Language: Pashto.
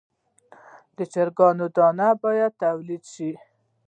د چرګانو دانه باید تولید شي.